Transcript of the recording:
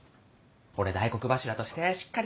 俺大黒柱としてしっかりしないと。